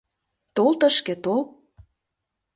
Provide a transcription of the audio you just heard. Тол тышке, тол...